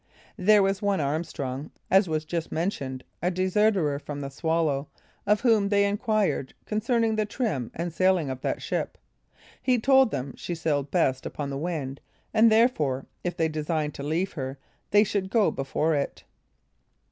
There was one Armstrong, as was just mentioned, a deserter from the Swallow, of whom they enquired concerning the trim and sailing of that ship; he told them she sailed best upon the wind, and therefore, if they designed to leave her, they should go before it.